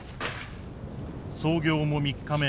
操業も３日目。